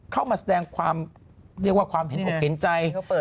เข้ามาแสดงความเห็นใจ